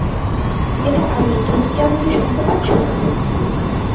এটা আমি তুমি কি আমাকে শুনতে পাচ্ছো?